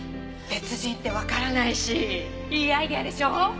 別人ってわからないしいいアイデアでしょ？